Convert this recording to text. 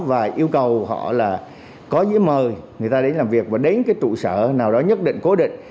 và yêu cầu họ là có những mời người ta đến làm việc và đến cái trụ sở nào đó nhất định cố định